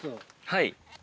はい。